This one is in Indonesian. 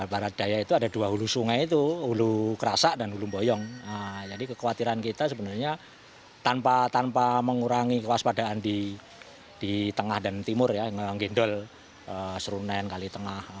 padaan di tengah dan timur ya ngegendol serunen kali tengah